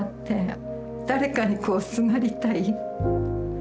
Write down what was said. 誰かにこうすがりたい。